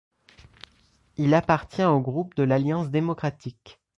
Il appartient au groupe de l'Alliance démocratique.